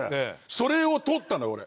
それをとったのよ俺。